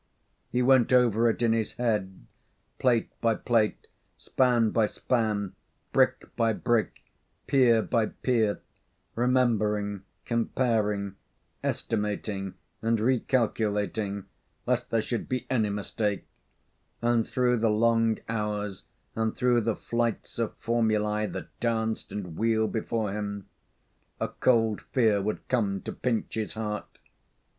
He went over it in his head, plate by plate, span by span, brick by brick, pier by pier, remembering, comparing, estimating, and recalculating, lest there should be any mistake; and through the long hours and through the flights of formulae that danced and wheeled before him a cold fear would come to pinch his heart.